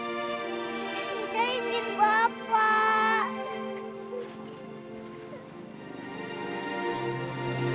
ibu ingin bapak